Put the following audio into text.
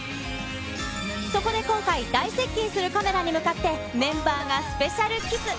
そこで今回、大接近するカメラに向かって、メンバーがＳｐｅｃｉａｌＫｉｓｓ。